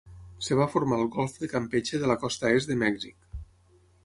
Es va formar al golf de Campeche de la costa est de Mèxic.